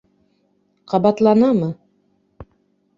— Ҡабатланамы?